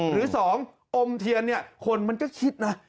หรือสองอมเทียนคนก็คิดนะ